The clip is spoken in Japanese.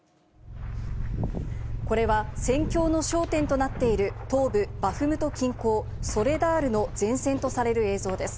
これは戦況の焦点となっている、東部バフムト近郊、ソレダールの前線とされる映像です。